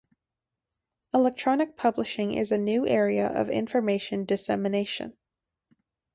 Electronic publishing is a new area of information dissemination.